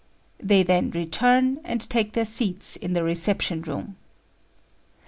They then return, and take their seats in the reception room.